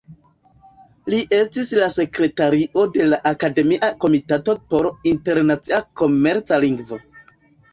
Li estis la sekretario de la Akademia Komitato por Internacia Komerca Lingvo.